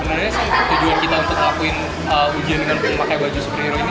sebenarnya tujuan kita untuk ngelakuin ujian dengan memakai baju superhero ini